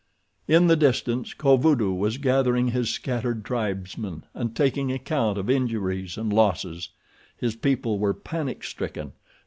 In the distance Kovudoo was gathering his scattered tribesmen, and taking account of injuries and losses. His people were panic stricken.